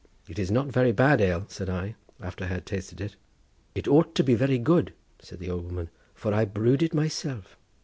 "It is not very bad ale," said I, after I had tasted it. "It ought to be very good," said the old woman, "for I brewed it myself."